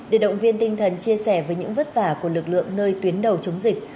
để động viên tinh thần chia sẻ với những vất vả của lực lượng nơi tuyến đầu chống dịch